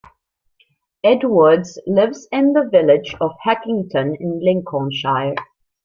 Edwards lives in the village of Heckington in Lincolnshire.